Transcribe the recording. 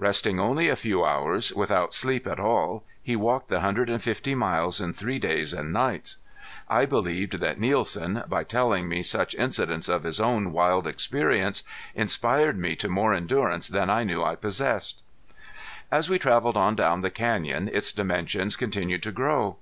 Resting only a few hours, without sleep at all, he walked the hundred and fifty miles in three days and nights. I believed that Nielsen, by telling me such incidents of his own wild experience, inspired me to more endurance than I knew I possessed. As we traveled on down the canyon its dimensions continued to grow.